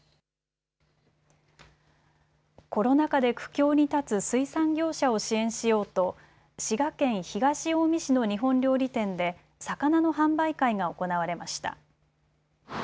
コロナ禍で苦境に立つ水産業者を支援しようと滋賀県東近江市の日本料理店で魚の販売会が行われました。